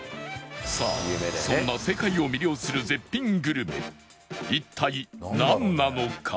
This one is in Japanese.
さあそんな世界を魅了する絶品グルメ一体なんなのか？